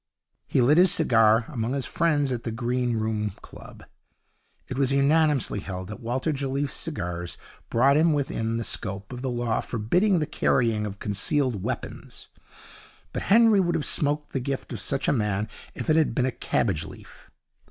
He lit his cigar. Among his friends at the Green Room Club it was unanimously held that Walter Jelliffe's cigars brought him within the scope of the law forbidding the carrying of concealed weapons; but Henry would have smoked the gift of such a man if it had been a cabbage leaf.